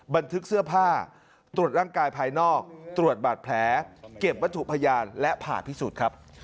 บันทึกเสื้อผ้าตรวจร่างกายภายนอกตรวจบาดแผลเก็บวัตถุพยานและผ่าพิสูจน์ครับ